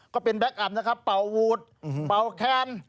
ก็เป็นแบ็คอัมนะครับเบาวูดเบาแคลน